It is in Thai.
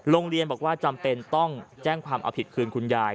โรงเรียนบอกว่าจำเป็นต้องแจ้งความเอาผิดคืนคุณยาย